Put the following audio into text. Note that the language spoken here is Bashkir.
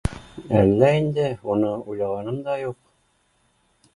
Әллә инде уны уйлағаным да юҡ